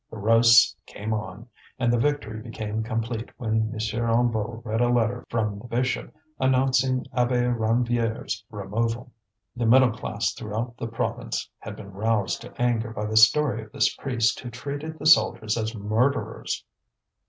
The roasts came on; and the victory became complete when M. Hennebeau read a letter from the bishop announcing Abbé Ranvier's removal. The middle class throughout the province had been roused to anger by the story of this priest who treated the soldiers as murderers.